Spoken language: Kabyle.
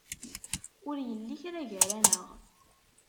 Ur yelli kra gar-aneɣ.